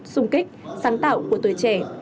sung kích sáng tạo của tuổi trẻ